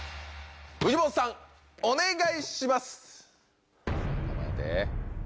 藤本さんお願いします。